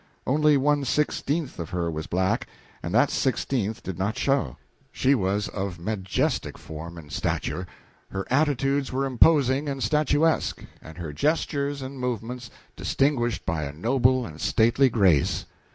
Only one sixteenth of her was black, and that sixteenth did not show. She was of majestic form and stature, her attitudes were imposing and statuesque, and her gestures and movements distinguished by a noble and stately grace.